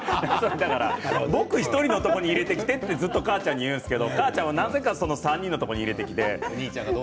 僕１人のところに入れてくれとずっと、かあちゃんに言うんですけどなぜか３人のところに入れてきて。